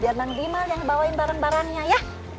biar bang gimal yang bawain barang barangnya ya